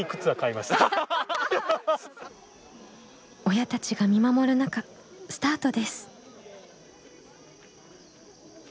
親たちが見守る中スタートです。